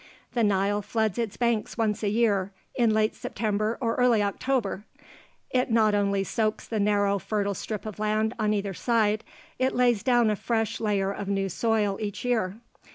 The Nile floods its banks once a year, in late September or early October. It not only soaks the narrow fertile strip of land on either side; it lays down a fresh layer of new soil each year.